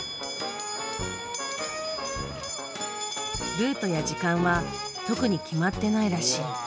ルートや時間は特に決まってないらしい。